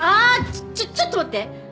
ちょちょっと待って。